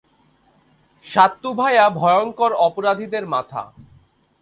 সাত্তু ভাইয়া ভয়ংকর অপরাধীদের মাথা।